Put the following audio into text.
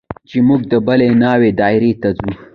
چې موږ د بلې ناوې دايرې ته ځو.